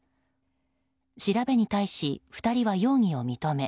調べに対し２人は容疑を認め